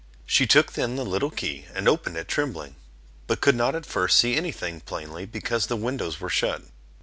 She took then the little key, and opened it trembling; but could not at first see any thing plainly, because the windows were shut.